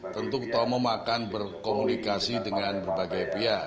tentu ketua umum akan berkomunikasi dengan berbagai pihak